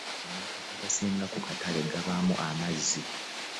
Amata agasinga ku katale gabaamu amazzi.